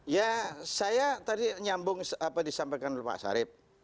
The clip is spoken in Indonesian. ya saya tadi nyambung apa disampaikan oleh pak sarip